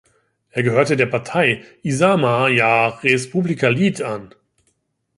Er gehört der Partei Isamaa ja Res Publica Liit an.